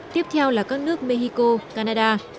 tiếp theo là các nước mexico canada